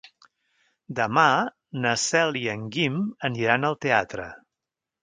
Demà na Cel i en Guim aniran al teatre.